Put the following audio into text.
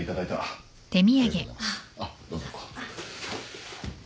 あっどうぞ。